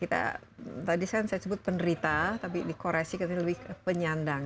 tadi saya sebut penderita tapi dikoresi lebih ke penyandang